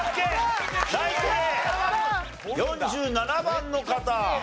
４７番の方。